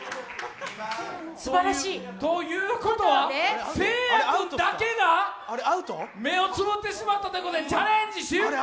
ということは、せいや君だけが目をつむってしまったということでチャレンジ失敗！